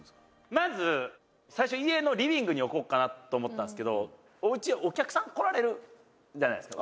「まず最初家のリビングに置こうかなと思ったんですけどおうちお客さん来られるじゃないですか」